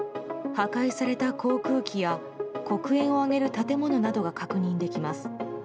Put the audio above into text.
破壊された航空機や黒煙を上げる建物などが確認できます。